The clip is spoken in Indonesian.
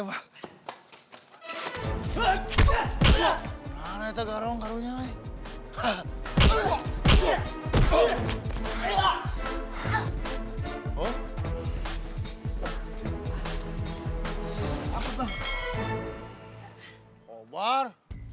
nuhun pisang kobar